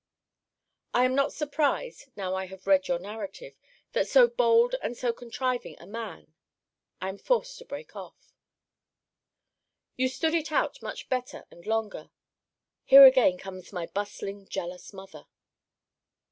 I am not surprised, now I have read your narrative, that so bold and so contriving a man I am forced to break off You stood it out much better and longer Here again comes my bustling, jealous mother!